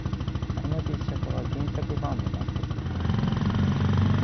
この実写化は原作ファンも納得